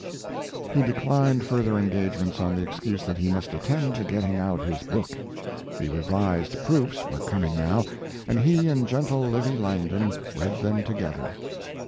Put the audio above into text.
He declined further engagements on the excuse that he must attend to getting out his book. The revised proofs were coming now, and he and gentle Livy Langdon read them together.